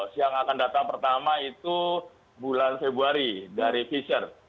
siang akan datang pertama itu bulan februari dari pfizer